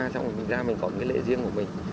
xong rồi mình ra mình có một cái lễ riêng của mình